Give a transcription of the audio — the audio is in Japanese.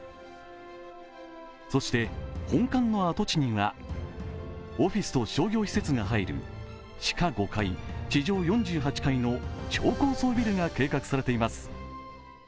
そして、本館の跡地にはオフィスと商業施設が入る地下５階、地上４８階の超高層ビルが計画されています。